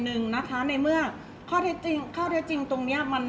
เพราะว่าสิ่งเหล่านี้มันเป็นสิ่งที่ไม่มีพยาน